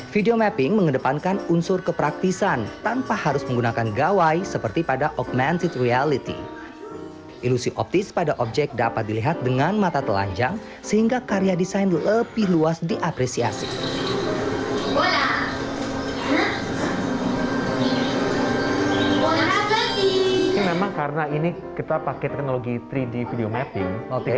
video mapping mengedepankan unsur kepraktisan tanpa harus menggunakan gawai seperti pada augmented reality